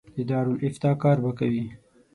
د دارالافتا کار به کوي.